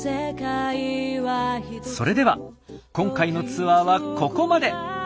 それでは今回のツアーはここまで。